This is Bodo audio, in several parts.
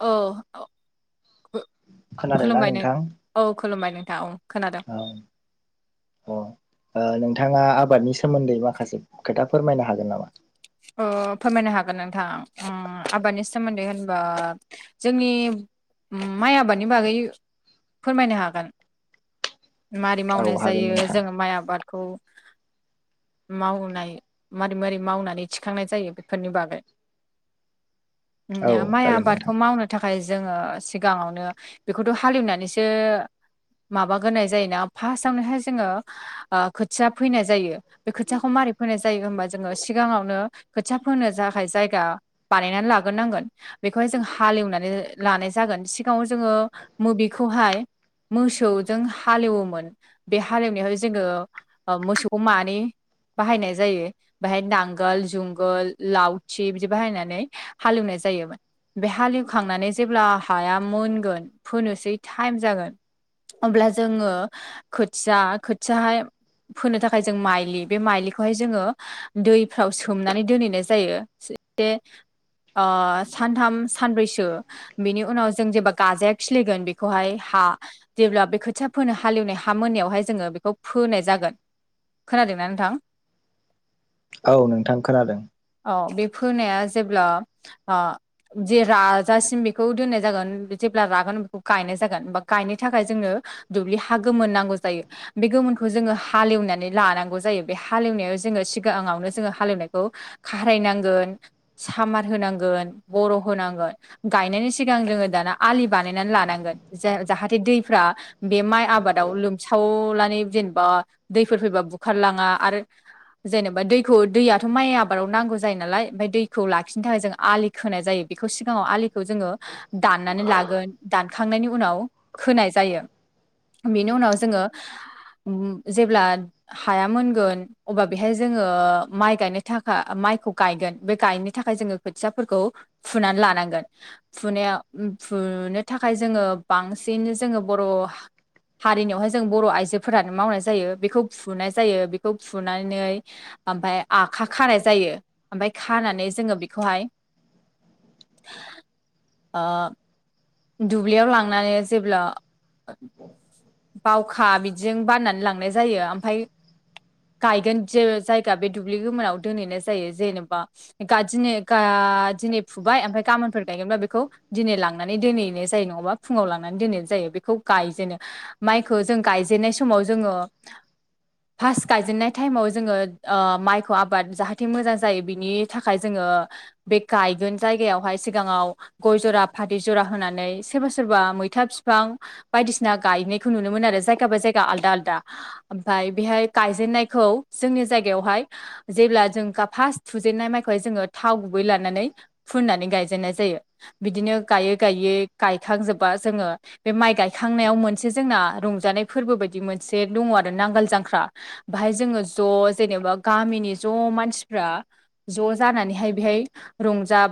औ औ खोनादोंना खू-खुलुमबाय नों नोंथां औ खुलुमबाय नोंथां औ खोनादों औ अ ओ नों नोंथांङा आबादनि सोमोन्दै माखासे खोथा फोरमायनो हागोन नामा? अ फोरमायनो हागोन नोंथां उम आबादनि सोमोन्दै होनबा जोंनि उम माइ आबादनि बागै फोरमायनो हागोन। मारै औ मावनाय हागोन जायो नोंथां जोंङो माइ आबाद खौ मावनाय मारै मारै मावनानै थिखांनाय जायो बेफोरनि बागै औ जोंनिया माइ जागोन नोंथां आबादखौ मावनो थाखाय। खाय ओ जोंङो सिगांङावनो बेखौथ' हालेवनानैसो माबागोरनाय जायोना फासावनोहाय जोंङो ओ खोथिया फैनाय जायो बे खोथियाखौ मा फोनाय जायो होमबा जोंङो सिगांङावनो खोथिया फोनो थाखाय जायगा बानायनानै लागोरनांगोन बेखौहाय जों हालेवनानै लानाय। जागोन सिगांङाव जोंङो मबेखौहाय मोसौजों हालेवोमोन बे हालेवनायाव जोंङो ओ मोसौखौ मानै बाहायनाय जायो बेहाय नांगोल जुंगोल लावथि बिदि बाहायनानै हालेवनाय जायोमोन बे हालेवखांनानै जेब्ला हाया मोनगोन फोनोसै टाइम जागोन अब्ला जोंङो खोथिया खोथियाहाय फोनो थाखाय जों माइलि बे माइलिखौहाय जोंङो दैफ्राव सो सोमनानै दोनहैनाय जायो एसे ओ सानथाम सानब्रैसो बिनि उनाव जों जेबब्ला गाजाया खिलिगोन बेखौहाय हा जेब्ला बे खोथिया फोनो हालेवनाय हा मोननायावहाय जोंङो बेखौ फोनाय जागोन । खोनादोंना नोंथां? औ नोंथां खोनादों । औ बे फोनाया जेब्ला ओ जे राजासिम बेखौ दोननाय जागोन बिदि ब्ला रागोन बेखौ गायनाय जागोन बा गायनो थाखाय जोंनो दुब्लि हा गोमोन नांगौ जायो बे गोमोनखौ जोङो हालेवनानै लानांगौ जायो बे हालेवनायाव जोङो सिगाङावनो जोङो हालेवनायखौ खारायनांगोन सामार होनांगोन बर' होनांगोन गायनाय सिगां जोङो दाना आलि बानायनानै लानांगोन जे जाहाथे दैफ्रा बे माइ आबादाव लोम सावनानै जेनेबा दैफोर फैबा बुखारलाङा आरो जेनेबा दैखौ दैयाथ' माइ आबादाव नांगौ जायो नालाय ओमफ्राय दैखौ लाखिनो थाखाय जों आलि खोनाय जायो बेखौ सिगाङाव आलिखौ जों जोङो दाननानै लागोन दानखांनायनि उनाव होनाय जायो । बेनि उनाव जोङो जेब्ला हाया मोनगोन अब्ला बेहाय जोङो माइ गायनो थाखा माइखौ गायगोन बे गायनो थाखाय जोङो खोथियाफोरखौ फुनानै लानांगोन फुनाया फुनो थाखाय जोङो बांसिन जोङो बर' हारिनियावहाय जों बर' आइजोफोरानो मावनाय जायो बेखौ फुनाय जायो बेखौ फुनानै ओमफ्राय आखा खानाय जायो ओमफ्राय खानानै जोङो बेखौहाय ओ । दुब्लियाव लांनानै जेब्ला बावखा बिदिजों बाननानै लांनाय जायो ओमफ्राय गायगोन जे जायगा बे दुब्लि गोमोनाव दोनहैनाय जायो जेनेबा गा दिनै गा दिनै फुबाय ओमफ्राय गामोनफोर गायगोनब्ला बेखौ दिनै लांनानै नै दिनैनाय जायो नङाबा फुङाव लांनानै दोनैनाय जायो बेखौ गायनो माइखौ जों गायजेननाय समाव जोङो फार्स गायजेननाय टाइमाव जोङो ओ माइखौ आबाद जाहाथे मोजां जायो बिनि थाखाय जोङो ओ बे गायगोन जायगायावहाय सिगाङाव गय ज'रा फाथ थै ज'रा होनानै सोरबा सोरबा मैथा फिफां बायदिसिना गायनायखौ नुनो मोन आरो जायगा बाय जायगा। आलदा आलदा ओमफ्राय बेहाय गायजेननायखौ जोंनि जायगायावहाय जेब्ला जों फार्स्ट थुजेनन्नाय माइखौहाय जोङो थाव गुबै लानानै फुननानै गायजेननाय जायो बिदिनो गायै गायै गायखांजोबबा जोङो बे माइ गायखांनायाव मोनसे जोंना रंजानाय फोरबो बायदि बि मोनसे दङ आरो नांगाल जांख्रा। बाहाय जोङो ज' जेनेबा गामिनि ज' मानसि फ्रा ज' जानानैहाय बेहाय रंजा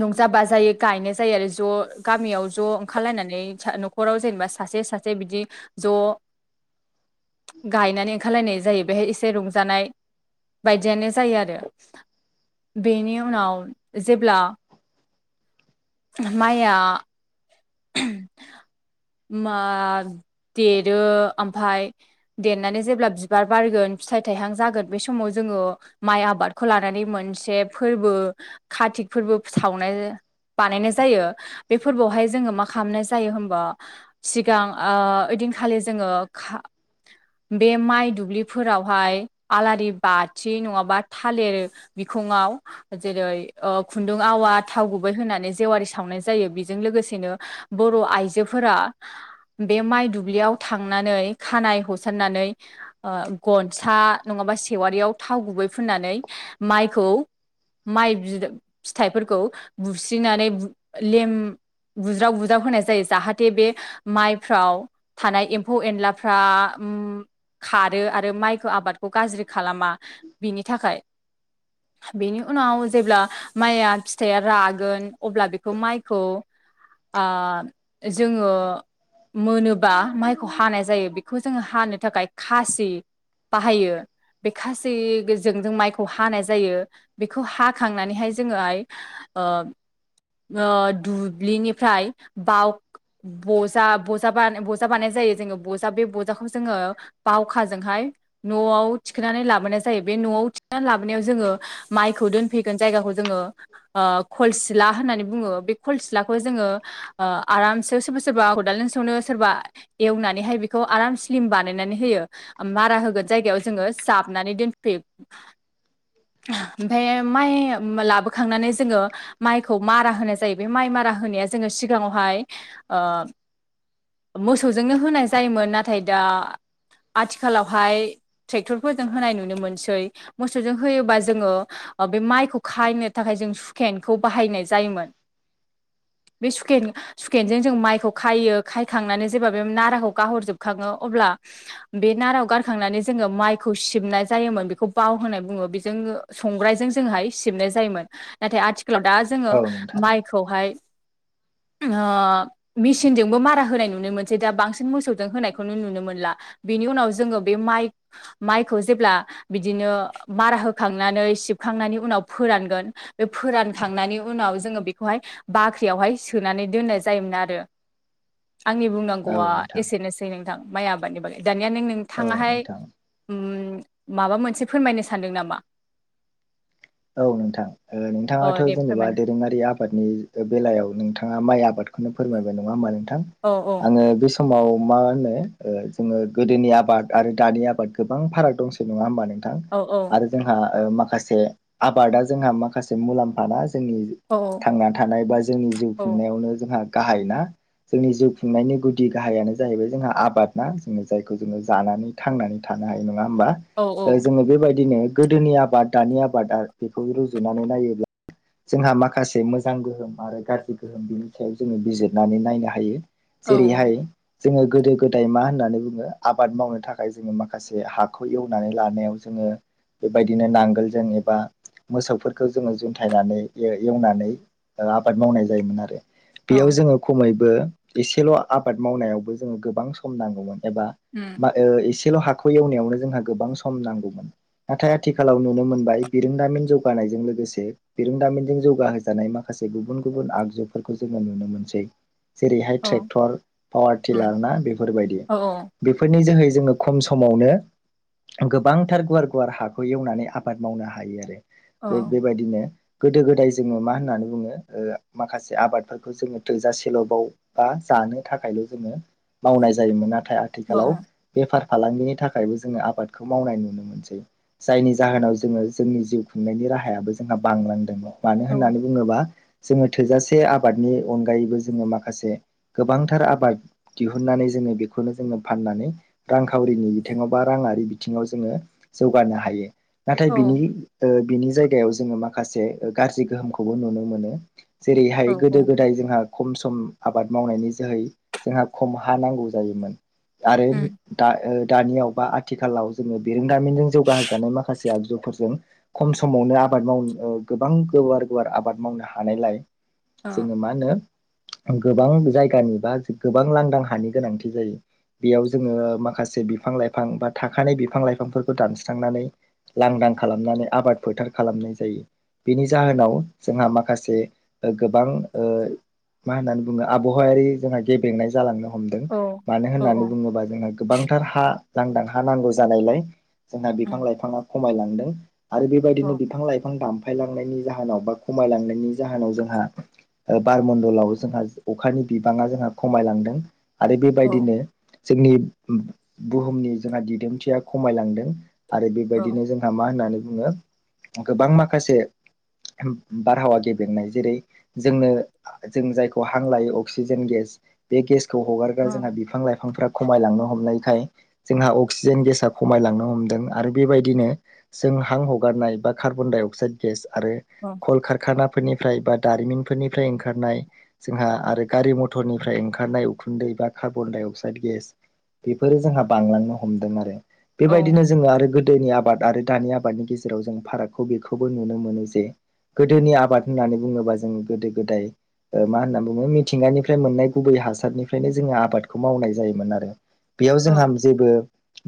रंजा बाजायो गायनाय जायो आरो ज' गामियाव ज' ओंखारलायनानै न'खराव जेनेबा सासे सासे बिदि ज' [inaudible] गायनानै ओंखारलायनाय जायो बेहाय एसे रंजानाय बायदियानो जायो आरो बेनि उनाव जेब्ला माया [inaudible] मा देरो ओमफाय देरनानै जेब्ला बिबार बारगोन फिथाइ थाइहां जागोन बे समाव जोङो माइ आबादखौ लानानै मोनसे फोर्बो काति फोर्बो फोर सावनाय बानायनाय जायो बे फोरबोआवहाय जोङो मा खालामनाय जायो हमबा सिगां ओ ओइदिनखालि जोङो खा बे माइ दुब्लिफोरावहाय आलारि बाथि नङाबा थालिर बिख खुङाव जेरै खुन्दुं आवा थाव गुबै होनानै जेवारि सावनाय जायो बेजों लोगोसे नो बर' आइजोफोरा बे माइ दुब्लियाव थांनानै खानाय ह'सार नानै ओ गनसा नङाबा सेवारियाव थाव गुबै फुननानै माइखौ माइ बिदा फिथाइफोरखौ बुस्रिनानै बु लेम बुज्राव बुज्राब होनाय जायो जाहाथे बे माइफ्राव थानाय एम्फौ एनलाफ्रा उम खारो आरो माइखौ आबादखौ गाज्रि खालामा बिनि थाखाय। बेनि उनाव जेब्ला माइया फिथाइया रागोन अब्ला बेखौ माइखौ आ जोङो मोनोबा माइखौ हानाय जायो बेखौ जोङो हानो थाखाय खासि बाहायो। बे खासि गोजोंजों माइखौ हानाय जायो बेखौ हाखांनानैहाय जोङोहाय ओ ओ दुब्लिनिफ्राय बाव बजा बजा बान बजा बानाय जायो जोङो बजा बे बजाखौ जोङो बावखाजोंहाय न'आव थिखोनानै लाबोनाय जायो बे न'आव थिखोनानै लाबोनायाव जोङो माइखौ दोनफैगोन जायगाखौ जोंङो ओ खलसिला होननाबो बुङो बे खलसिला खौ जोङो ओ आरामसे सोरबा सोरबा खदालजों सनो सोरबा एवनानैहाय बेखौ आरामसे स्लिम बानायनानै होयो मारा होगोन जायगायाव जोङो जाबनानै दोनफैयो। ओमफाय माइ लाबोखांनानै जोङो माइखौ मारा होनाय जायो बे माइ मारा होनाया जोङो सिगाङावहाय ओ मोसौजोंनो होनाय जायोमोन नाथाय दा आथिखालावहाय ट्रेक्टरफोरजों होनाय नुनो मोनसै मोसौजों होयोबा जोङो ओ बे माइखौ खायनो थाखाय जों सुखेनखौ बाहायनाय जायोमोन। [unintelligible] बे सुखेन सुखेनजों जों माइखौ खाइयो खायखांनानै जेब्ला बे नाराखौ गाहरजोबखाङो अब्ला बे नाराव गारखांनानै जोङो माइखौ सिबनाय जायोमोन बेखौ बाव होनाय बुङो बेजों संग्रायजों जोंहाय सिबनाय जायोमोन नाथाय आथिखालाव दा जोङो औ नोंथां माइखौहाय [unintelligible] ओ मेसिनजोंबो मारा होनाय नुनो मोनसै दा बांसिन मोसौजों होनायखौनो नुनो मोनला। बिनि उनाव जोङो बे माइ माइखौ जेब्ला बिदिनो मारा होखांनानै सिब खांनायनि उनाव फोरानगोन बे फोरानखांनायनि उनाव जोङो बेखौहाय बाख्रियावहाय सोनानै दोननाय जायोमोन आरो। आंनि औ बुंनांगौआ नोंथां एसेनोसै नोंथां माइ आबादनि बागै। दानिया नों औ नोंथाङाहाय नोंथां उम माबा मोनसे फोरमायनो सानदों नामा? औ नोंथां ओ अ नोंथाङाथ' दे जेनेबा फोरमायना दोरोङारि आबादनि बेलायाव नोंथाङा माइ आबादखौनो फोरमायबाय नङा होमबा नोंथां औ आङो बे सम समाव मा होनो ओ जोङो गोदोनि आबाद आरो दानि आबाद गोबां फाराग दंसै नङा होमबा नों थां औ औ आरो जोंहा ओ माखासे आबादा जोंहा माखासे मुलाम्फा ना जोंनि औ थांना थानाय बा जोंनि जिउ औ खुंनायावनो जोंहा गाहाइ ना। जोंनि जिउ खुंनायनि गुदि गाहायानो जाहैबाय जोंहा आबाद ना जोङो जायखौ जोङो जानानै थांनानै था नो हायो नङा होमबा औ ओ जोङो बेबायदिनो गोदोनि आबाद दानि आब बादा बेखौ रुजुनानै नायोब्ला जोंहा माखासे मोजां गोहोम आरो गाज्रि गोहोम बिनि सायाव जोङो बिजिरनानै नायनो हायो। औ जेरैहाय जोङो गोदो गोदाय मा होननानै बुङो आबाद मावनो थाखाय जोङो माखासे हाखौ एवनानै लानायाव जोङो बेबायदिनो नांगोल जनि बा मोसौफोरखौ जोङो जन्थायनानै ए-एवनानै ओ आबाद मावनाय जायोमोन आरो। औ बेयाव जोङो खमैबो एसेल' आबाद मावनायावबो जों गोबां सम नांगौमोन। एबा बा ओ एसे सेल' हाखौ एवनायावनो जोंहा गोबां सम नांगौमोन नाथाय आथिखालाव नुनो मोनबाय बिरोंदामिन जौगानायजों लोगोसे बिरोंदामिनजों जौगाहोजानाय माखासे गुबुन गुबुन आगजुफोरखौ जों नुनो मोनसै। जेरैहाय औ ट्रेक्टर पावार उम टिलार ना बेफोरबायदि औ बेफोरनि जोहै जोङो खम समावनो गोबांथार गुवार गुवार हाखौ एवनानै आबाद मावनो हायो आरो औ बे बेबायदिनो गोदो गोदाय जोङो मा होननानै बुङो ओमाखासे आबादफोरखौ जोङो थोजासेल'बाव बा ज जानो थाखायल' जोङो मावनाय जायोमोन नाथाय औ आथिखालाव बेफार फालांगिनि थाखायबो जोङो आबादखौ मावनाय नुनो मोनसै जायनि जाहोनाव जोङो जोंनि जिउ खुंनायनि राहायाबो जोंहा बांलांदों मानो औ होननानै बुङोबा जोङो थोजासे आबादनि अनगायैबो जोङो माखासे गोबांथार आबाद दिहुननानै जोङो बेखौनो जोङो फाननानै रांखावरिनि बिथिङाव बा रां बिथिङाव जोङो जौगानो हायो ना औ बिनि ओ बिनि जायगायाव जोङो माखासे गाज्रि गोहोमखौबो नुनो मोनो। जेरैहाय गोदो गोदाय जोंहा खम सम आबाद मावनायनि जोहै जोंहा खम हा नांगौ जायोमोन आरो उम दा ओ दानियाव बा आथिखालाव जोङो बे जों बिरोंदामिनजों जौगाहोजानाय माखासे आगजु फोरजों खम समावनो आबाद मावनो ओ गोबां गोवार गुवार आबाद मावनो हानायलाय औ जोङो मा होनो गोबां जायगानि बा गोबां लांदां हानि गोनांथि जायो बेयाव जोङो माखासे बिफां लाइफां बा थाखानाय बिफां लाइफांफोरखौ दानस्रांनानै लांदां खालामनानै आबाद फोथार खालामनाय जायो बेनि जाहोनाव जोंहा ओ माखासे गोबां ओ मा होननानै बुङो आबहावायारि जोंहा गेब्रेंनाय जालांनो हमदों औ मानो औ होननानै औ बुङोबा जोंहा गोबांथार हा लांदां हा नांगौ जानायलाय जोंहा उम बिफां लाइफाङा खमायलांदों आरो औ बेबायदिनो बिफां लाइफां दानफायलांनायनि जाहोनाव बा खमायलांनायनि जाहोनाव जोंहा ओ बारमण्डलाव जोंहा अखानि बिबाङा जोंहा खमायलांदों आरो औ बेबायदिनो जोंनि बुहुमनि जोंहा दिदोमथिया खमायलांदों आरो औ बेबायदिनो जोंहा मा होननानै बुङो गोबां माखासे बारहावा गेब्रेंनाय जेरै जोंनो जों जायखौ हां लायो अक्सिजेन गेस बे गेसखौ हगारग्रा जोंहा बिफां लाइफांफ्रा खमायलांनो हमनायखाय जोंहा अक्सिजेन गेसआ खमायलांनो हमदों आरो बेबायदिनो जों हां हगारनाय बा कार्बन डाइ अक्साइड गेस आरो कल कारखाना फोरनिफ्राय बा दारिमिनफोरनिफ्राय ओंखारनाय जोंहा आरो गारि मथरनिफ्राय ओंखारनाय उखुन्दै बा कार्बन डाइ अक्साइद गेस बेफोरो जोंहा बांलांनो हमदों आरो बेबायदिनो जोङो आरो गोदोनि आबाद आरो दानि आबादनि गेजेराव जों फारागखौ बेखौबो नुनो मोनो जे गोदोनि आबाद होननानै बुङोबा जों गोदो गोदाय ओ मा होनना बुङो मिथिंगानिफ्राय मोननाय गुबै हासारनिफ्रायनो जोङो आबादखौ मावनाय जायोमोन आरो बेयाव जोंहा औ जेबो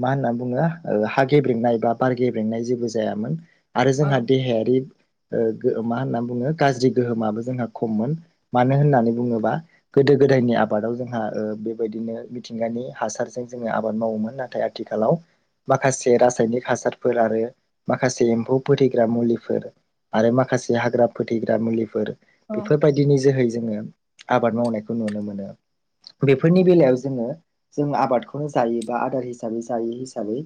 मा होनना बुङो ओ हा गेब्रेेंनाय बा बार गे ब्रेंनाय जेबो जायामोन आरो जोंहा देहायारि ओ गो मा होनना बुङो गाज्रि गोहोमाबो जोंहा खममोन मानो होननानै बुङोबा गोदो गोदायनि आबादाव जोंहा ओ बेबायदिनो मिथिंगानि हासारजों जोङो आबाद मावोमोन नाथाय आथिखालाव माखासे रासायनिक हासारफोर आरो माखासे एम्फौ फोथैग्रा मुलिफोर आरो माखासे हाग्रा फोथैग्रा मुलिफोर बेफोरबायदिनि जोहै जोङो आबाद मावनायखौ नुनो मोनो बेफोरनि बेलायाव जोङो जों आबादखौनो जायो बा आदार हिसाबै जायो हिसाबै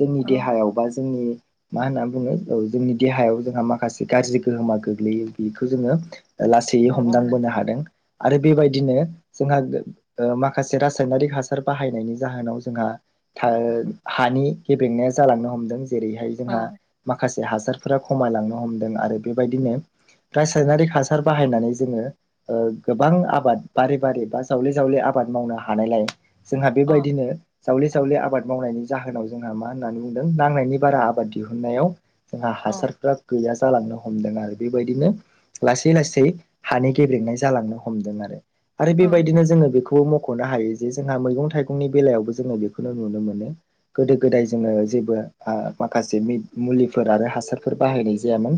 जोंनि देहायाव बा जोंनि मा होनना बुङो औ जोंनि देहायाव जोंहा माखासे गाज्रि गोहोमा गोग्लैयो बिखौ जोङो लासैयै औ हमदांबोनो नोंथां हादों आरो बेबायदिनो जोंहा माखासे रासायनारिक हासार बाहायनायनि जाहोनाव जोंहा हा हानि गेबेंनाया जालांनो हमदों जेरैहाय औ जोंहा माखासे हासारफोरा खमायलांनो हमदों आरो बेबायदिनो रासायनारि हासार बाहायनानै जोङो गोबां आबाद बारि बारि बा जावले-जावले आबाद आबाद मावनो हानायलाय जोंहा औ बेबायदिनो जावले-जावले आबाद मावनायनि जाहोनाव जोंहा मा होननानै बुंदों नांनायनि बारा आबाद दिहुनायाव जोंहा औ हासारफोरा गैया जालांनो हमदों आरो। बेबायदिनो लासै लासै हानि गेब्रेंनाय जालांनो हमदों आरो। आरो औ उम बेबायदिनो जोङो बेखौ बो मख'नो हायो जे जोंहा मैगं-थाइगंनि बेलायावबो जोङो बेखौनो नुनो मोनो गोदो गोदाय जोङो जेबो ओ माखासे मुलिफोर आरो हासारफोर बाहायनाय जायामोन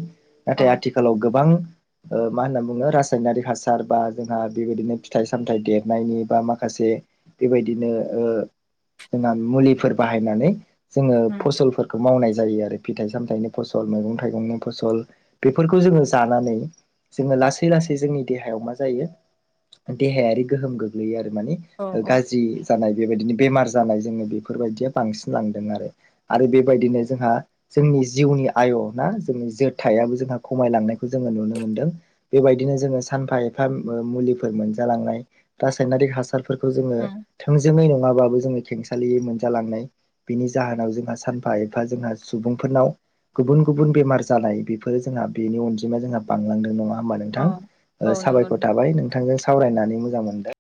औ नाथाय आथिखालाव गोबां मा होनना बुङो रासायनारिक हासार बा जोंहा बेबायदिनो फिथाइ- सामथायाइ देरनायनि बा माखासे लोगोसे बेबायदिनो जों मुलिफोर बाहायनानै जोङो फसलफोर मावनाय जायो आरो फिथाइ सामथायाइनि फसल, मैगं थाइगंनि फसल बेफोरखौ जोङो जानानै जोङो लासै लासै जोंनि देहायाव मा जायो देहायारि गोहोम गोग्लैयो आरो। मानि औ गाज्रि जानाय बेबायदिनो बेमार जानाय जोङो बेफोरबायदिया बांसिन लांदों आरो। आरो बेबायदिनो जोंहा जोंनि जिउनि आय' ना जोंनि जोरथायाबो जोंहा खमायलांनायखौ जों नुनो मोनदों। बेबायदिनो जोङो सानफा एफा मुलिफोर मोनजालांनाय रायनारि हासा रफोरखौ जोङो उम थोंजोङै नङाबाबो जोङो खेंसालियै मोनजालांनाय बिनि जाहोनाव जोंहा सानफा एफा जोंहा सुबुंफोरनाव गुबुन गुबुन बेमार जालाय बेफोरो जोंहा बेनि अनजिमाया जोंहा बांलांदों नङा होमबा नोंथां। औ औ नंगौ साबायखर थाबाय नोंथांजों सावरायनानै मोजां मोनदों।